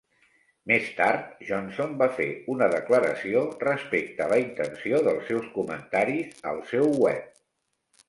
Més tard, Johnson va fer una declaració respecte a la intenció dels seus comentaris al seu web.